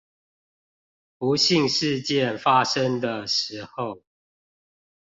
不幸事件發生的時候